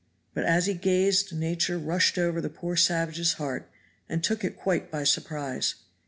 But as he gazed nature rushed over the poor savage's heart and took it quite by surprise.